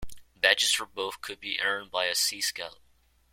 Badges for both could be earned by a Sea Scout.